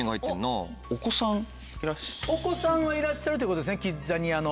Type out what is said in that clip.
お子さんはいらっしゃるってことですねキッザニアの。